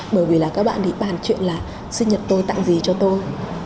bởi vì là các bạn ý bàn chuyện là sinh nhật tôi tặng gì cho tôi